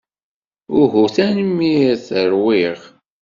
Uhu, tanemmirt. Ṛwiɣ.